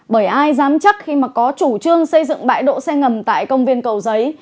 bởi ai dám chắc khi mà có chủ trương xây dựng bãi đỗ xe ngầm tại công viên cầu giấy